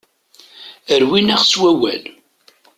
Rwin-aɣ s wawal.